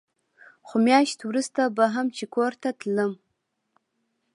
خو مياشت وروسته به هم چې کور ته تلم.